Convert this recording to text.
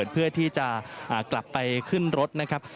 เพื่อที่จะกลับไปขึ้นรถนะครับ